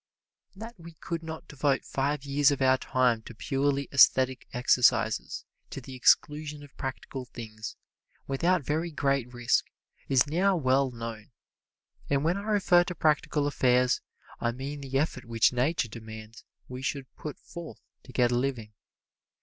That we could not devote five years of our time to purely esthetic exercises, to the exclusion of practical things, without very great risk, is now well known. And when I refer to practical affairs, I mean the effort which Nature demands we should put forth to get a living.